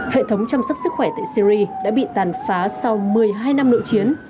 hệ thống chăm sóc sức khỏe tại syri đã bị tàn phá sau một mươi hai năm nội chiến